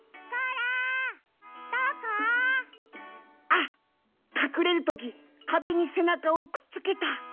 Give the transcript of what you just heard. あっかくれるときかべにせなかをくっつけた。